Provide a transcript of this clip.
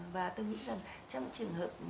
và tôi nghĩ rằng trong trường hợp